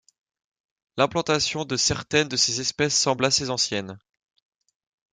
L'implantation de certaines de ces espèces semble assez ancienne.